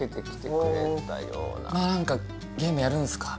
何か「ゲームやるんすか？」